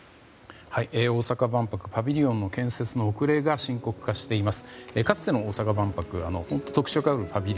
大阪万博パビリオンの建設の遅れが深刻化しています。